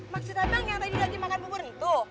maksudnya bang yang tadi lagi makan bubur itu